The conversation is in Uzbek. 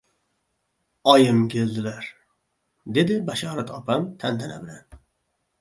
— Oyim keldilar! — dedi Bashorat opam tantana bilan.